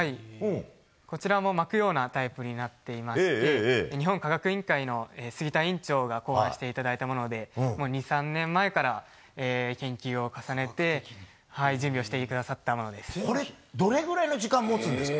こちらも巻くようなタイプになっていまして日本科学委員会の委員長が考案していただいたもので２３年前から研究を重ねてどれくらいの時間持つんですか。